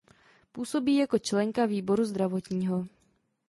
Působí jako členka Výboru zdravotního.